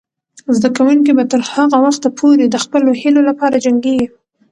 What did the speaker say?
زده کوونکې به تر هغه وخته پورې د خپلو هیلو لپاره جنګیږي.